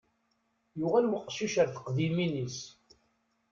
Yuɣal weqcic ar teqdimin-is.